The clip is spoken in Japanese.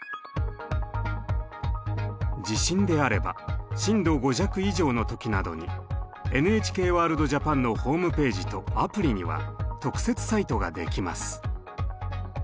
地震であれば震度５弱以上の時などに「ＮＨＫワールドＪＡＰＡＮ」のホームページとアプリには特設サイトができます。